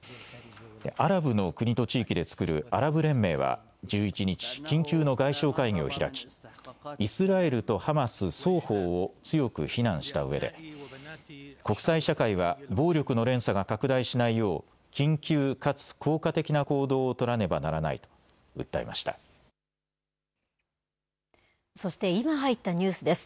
アラブの国と地域でつくるアラブ連盟は１１日、緊急の外相会議を開きイスラエルとハマス双方を強く非難したうえで国際社会は暴力の連鎖が拡大しないよう緊急かつ効果的な行動をそして今入ったニュースです。